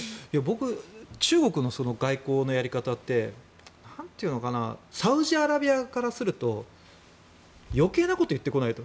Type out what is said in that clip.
僕中国の外交のやり方ってサウジアラビアからすると余計なこと言ってこないと。